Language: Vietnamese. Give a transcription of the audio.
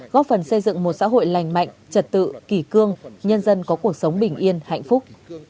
góp phần xây dựng một xã hội lành mạnh trật tự kỷ cương nhân dân có cuộc sống bình yên hạnh phúc